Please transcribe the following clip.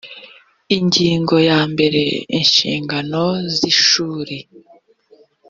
ingingo ya mbere inshingano z ishuri